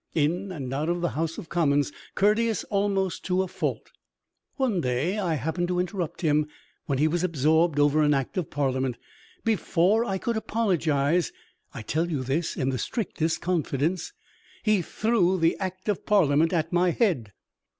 In and out of the House of Commons, courteous almost to a fault. One day I happened to interrupt him when he was absorbed over an Act of Parliament. Before I could apologize I tell you this in the strictest confidence he threw the Act of Parliament at my head.